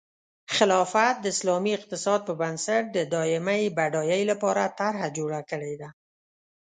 خلافت د اسلامي اقتصاد په بنسټ د دایمي بډایۍ لپاره طرحه جوړه کړې ده.